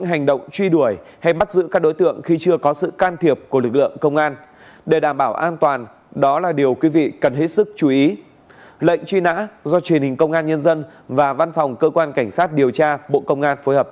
hãy đăng kí cho kênh lalaschool để không bỏ lỡ những video hấp dẫn